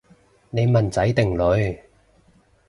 你問仔定女？